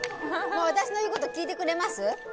私の言うこと聞いてくれます？